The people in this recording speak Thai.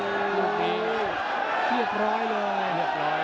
เรียบร้อยเลย